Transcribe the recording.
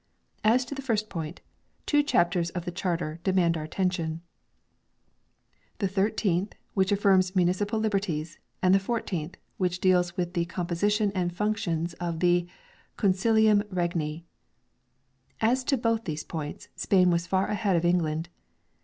As to the first point, two chapters of the Charter de mand our attention, the isth, which affirms municipal liberties, and the i4th which deals with the composi tion and functions of the " consilium regni ". As to both these points, Spain was far ahead of England.